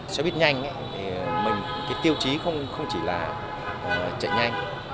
xe buýt nhanh thì tiêu chí không chỉ là chạy nhanh